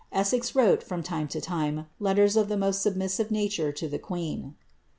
Essex wrote, from time to time, letters of the most submissive nature to the queen.